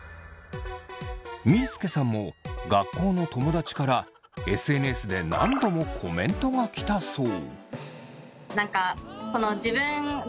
みーすけさんも学校の友だちからＳＮＳで何度もコメントが来たそう。